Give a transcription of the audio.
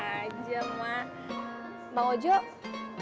kita sendiri emang juga